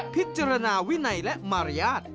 พิจารณาวินัยและมารยาท